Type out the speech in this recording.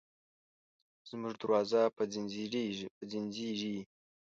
زموږ دروازه به ځینځېرې،